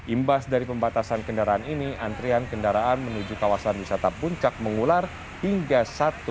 imbas dari pembatasan kendaraan ini antrian kendaraan menuju kawasan wisata puncak mengular hingga satu